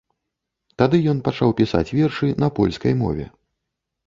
Тады ён пачаў пісаць вершы на польскай мове.